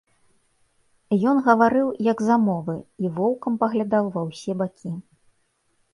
Ён гаварыў, як замовы, і воўкам паглядаў ва ўсе бакі.